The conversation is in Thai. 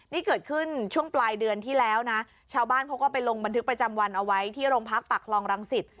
นี่เกิดขึ้นช่วงปลายเดือนที่แล้วนะชาวบ้านเขาก็ไปลงบันทึกประจำวันเอาไว้ที่โรงพักปากคลองรังสิต